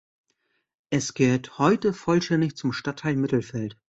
Es gehört heute vollständig zum Stadtteil Mittelfeld.